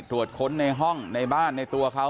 ตรวจค้นในห้องในบ้านในตัวเขา